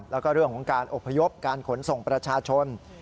แล้วก็เรื่องของการอบพยพการขนส่งประชาชน